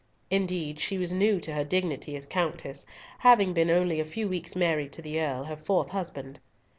Indeed, she was new to her dignity as Countess, having been only a few weeks married to the Earl, her fourth husband.